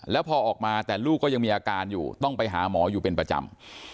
แล้วพอออกมาแต่ลูกก็ยังมีอาการอยู่ต้องไปหาหมออยู่เป็นประจำ